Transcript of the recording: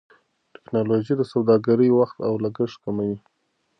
ټکنالوژي د سوداګرۍ وخت او لګښت کموي.